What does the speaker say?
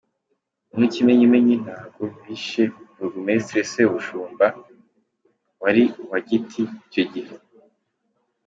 Ngo n´ikimenyimenyi ntago bishe Bourgmestre Sebushumba wari uwa Giti icyo gihe.